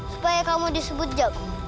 supaya kamu disebut jago